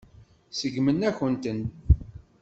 Seggmen-akent-ten.